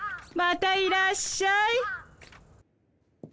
またいらっしゃい。